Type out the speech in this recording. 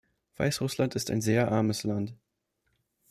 Weißrussland ist ein sehr armes Land.